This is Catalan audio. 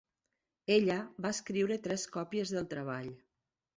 Ella va escriure tres còpies del treball.